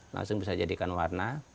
langsung bisa dijadikan warna